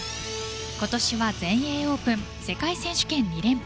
今年は全英オープン世界選手権２連覇。